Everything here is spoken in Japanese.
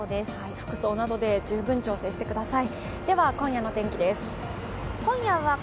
服装などで十分調整してください。